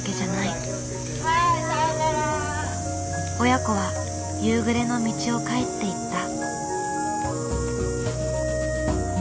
親子は夕暮れの道を帰っていった。